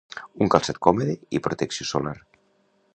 un calçat còmode i protecció solar